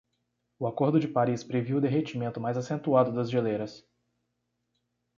O Acordo de Paris previu o derretimento mais acentuado das geleiras